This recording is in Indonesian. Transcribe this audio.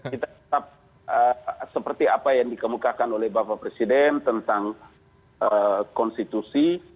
kita tetap seperti apa yang dikemukakan oleh bapak presiden tentang konstitusi